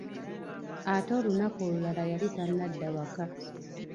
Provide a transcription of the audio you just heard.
Ate olunaku olulala yali tanadda waka.